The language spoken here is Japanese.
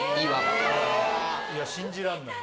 いや信じらんない。